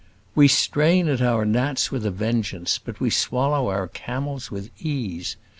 We strain at our gnats with a vengeance, but we swallow our camels with ease.